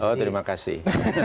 oh terima kasih